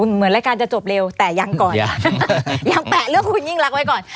เหมือนรายการจะจบเร็วแต่ยังก่อนยังแปะเรื่องคุณยิ่งรักไว้ก่อน